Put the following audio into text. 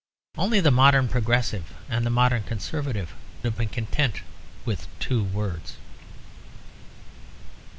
Only the modern progressive and the modern conservative have been content with two words.